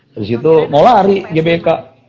terus itu mau lari gbk